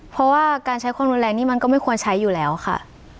เพราะว่าการใช้ความรุนแรงนี่มันก็ไม่ควรใช้อยู่แล้วค่ะ